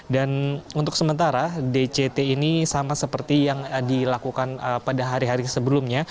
dan untuk sementara dct ini sama seperti yang dilakukan pada hari hari sebelumnya